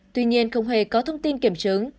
tuy nhiên không hề có thông tin kiểm chứng